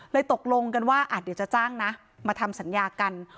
ตกลงกันว่าเดี๋ยวจะจ้างนะมาทำสัญญากัน